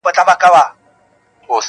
دغه ګناه مي لویه خدایه په بخښلو ارزي,